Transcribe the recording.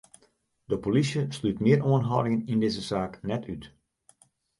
De polysje slút mear oanhâldingen yn dizze saak net út.